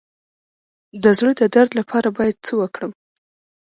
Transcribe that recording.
د زړه د درد لپاره باید څه وکړم؟